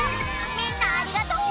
みんなありがとう！